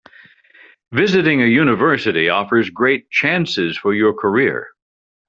Visiting a university offers great chances for your career.